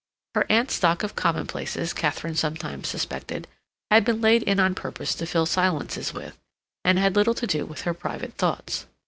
Her aunt's stock of commonplaces, Katharine sometimes suspected, had been laid in on purpose to fill silences with, and had little to do with her private thoughts.